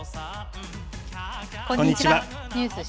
こんにちは。